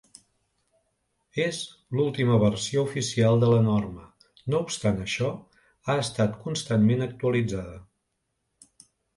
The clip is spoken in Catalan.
És l'última versió oficial de la norma, no obstant això, ha estat constantment actualitzada.